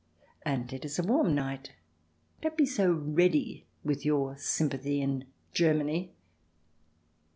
And it is a warm night. Don't be so ready with your sympathy — in Germany."